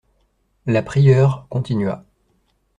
La prieure continua.